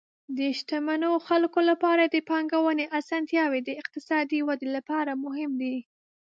د شتمنو خلکو لپاره د پانګونې اسانتیاوې د اقتصادي ودې لپاره مهم دي.